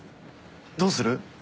どうする？